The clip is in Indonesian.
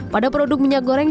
pada produk minyak goreng